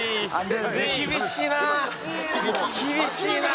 厳しいなあ！